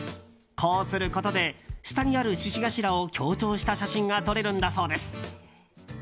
こうすることで下にある獅子頭を強調した写真が撮れるんだそうです。